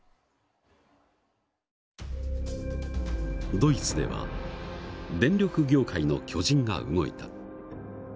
ドイツでは電力業界の巨人が動いた。